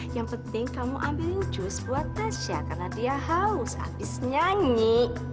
yang penting kamu ambil jus buat tasya karena dia haus habis nyanyi